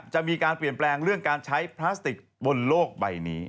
จะมีการเปลี่ยนแปลงเรื่องการใช้พลาสติกบนโลกใบนี้